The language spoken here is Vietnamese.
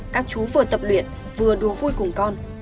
các chú vừa tập luyện vừa đùa vui cùng con